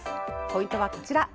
ポイントはこちら。